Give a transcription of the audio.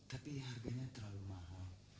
tapi harganya terlalu mahal